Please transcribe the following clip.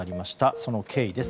その経緯です。